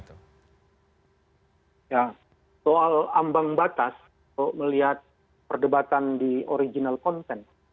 ya soal ambang batas melihat perdebatan di original content